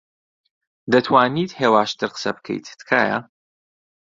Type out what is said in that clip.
دەتوانیت هێواشتر قسە بکەیت، تکایە؟